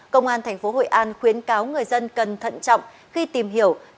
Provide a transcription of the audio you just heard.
công an thành phố hội an khuyến cáo người dân cần thận trọng khi tìm hiểu